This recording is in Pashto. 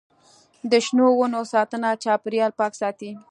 د شنو ونو ساتنه چاپیریال پاک ساتي.